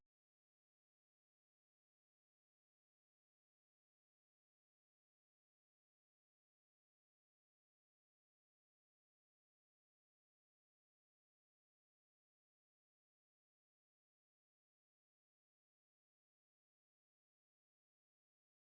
ต่อมาด้วยส่วนช่วย